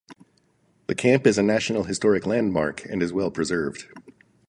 The camp is a National Historic Landmark, and is well preserved.